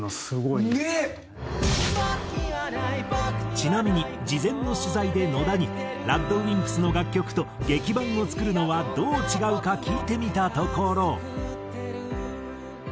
ちなみに事前の取材で野田にＲＡＤＷＩＭＰＳの楽曲と劇伴を作るのはどう違うか聞いてみたところ。